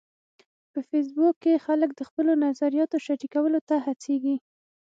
په فېسبوک کې خلک د خپلو نظریاتو شریکولو ته هڅیږي.